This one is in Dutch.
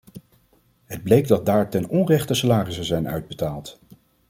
Het bleek dat daar ten onrechte salarissen zijn uitbetaald.